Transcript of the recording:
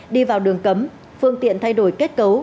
đi vào đường cấm phương tiện thay đổi kết cấu